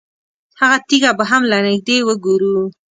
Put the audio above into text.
هغه تیږه به هم له نږدې وګورو.